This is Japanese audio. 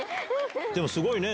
でもすごいね！